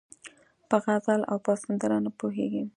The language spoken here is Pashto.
په غزل او په سندره نه پوهېږي